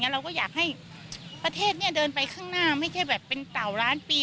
เราก็อยากให้ประเทศนี้เดินไปข้างหน้าไม่ใช่แบบเป็นเต่าล้านปี